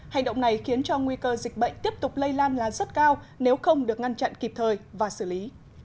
hành động này khiến cho nguy cơ dịch bệnh tiếp tục lây lan là rất cao nếu không được ngăn chặn kịp thời và xử lý